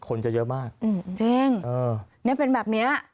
คนจะเยอะมาก